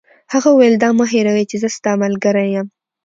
هغه وویل: دا مه هیروئ چي زه ستا ملګری یم.